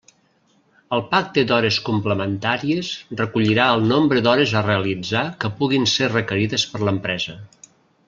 El pacte d'hores complementàries recollirà el nombre d'hores a realitzar que puguin ser requerides per l'empresa.